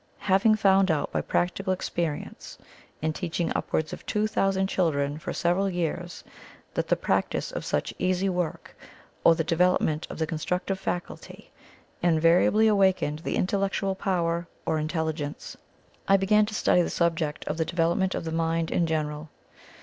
Having found out by practical experience, in teaching upwards of two thousand children for several years, that the practice of such easy work, or the development of the constructive faculty, invariably awakened the intellectual power or intelligence, I began to study the subject of the development of the mind in general.